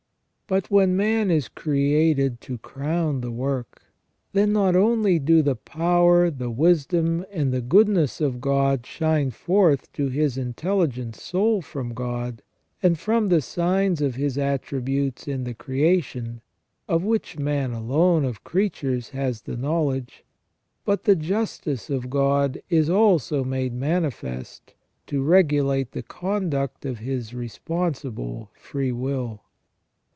But when man is created to crown the work, then, not only do the power, the wisdom, and the goodness of God shine forth to his intelligent soul from God, and from the signs of His attributes in the creation, of which man alone of creatures has the knowledge ; but the justice of God is also made manifest, to regulate the conduct of his responsible freewill.